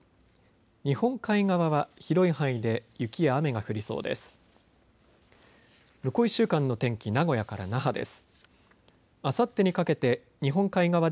日本海側は広い範囲で雪や雨が降りそうです。